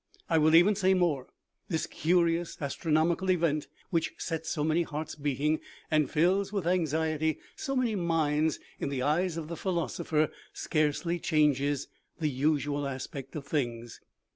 I will even say more : this curious astronomical event, which sets so many hearts beating and fills with anx iety so many minds, in the eyes of the philosopher scarcely changes the usual aspect of things.